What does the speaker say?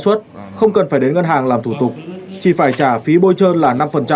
sau khi tôi chuyển tiền